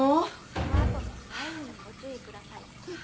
この後も雷雨にご注意ください。